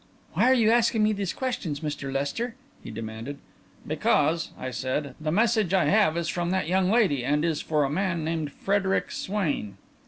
"Why are you asking me these questions, Mr. Lester?" he demanded. "Because," I said, "the message I have is from that young lady, and is for a man named Frederic Swain."